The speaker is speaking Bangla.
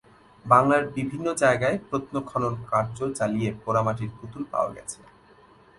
বাংলার বিভিন্ন জায়গায় প্রত্ন খনন কার্য চালিয়ে পোড়া মাটির পুতুল পাওয়া গেছে।